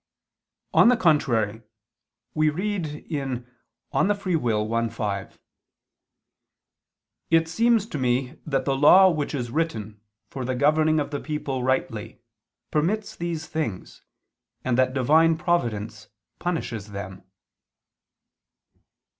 On the contrary, We read in De Lib. Arb. i, 5: "It seems to me that the law which is written for the governing of the people rightly permits these things, and that Divine providence punishes them."